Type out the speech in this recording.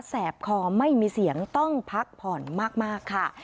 แบคอไม่มีเสียงต้องพักผ่อนมากค่ะ